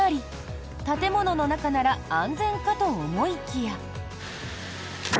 建物の中なら安全かと思いきや。